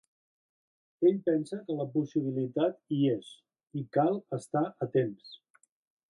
Ell pensa que la possibilitat, hi és, i que cal estar atents.